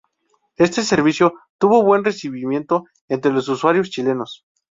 Este servicio tuvo buen recibimiento entre los usuarios chilenos.